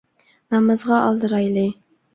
نامازغا ئالدىرايلى